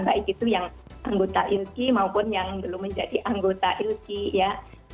baik itu yang anggota ilki maupun yang belum menjadi anggota ilki ya